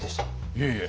いえいえ。